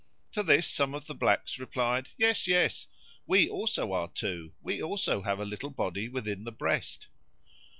To this some of the blacks replied, "Yes, yes. We also are two, we also have a little body within the breast."